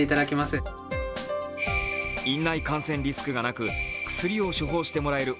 院内感染リスクがなく薬を処方してもらえる